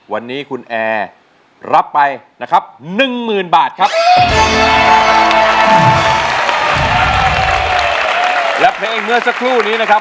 วันนี้คุณแอร์รับไปนะครับหนึ่งหมื่นบาทครับ